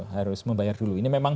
harus membayar dulu ini memang